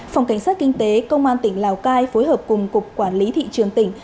phòng cảnh sát kinh tế công an tỉnh lào cai phối hợp cùng cục quản lý thị trường tỉnh